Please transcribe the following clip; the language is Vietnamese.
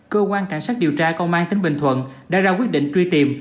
cơ quan cảnh sát điều tra công an tỉnh bình thuận đã ra quyết định truy tìm